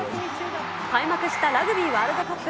開幕したラグビーワールドカップ。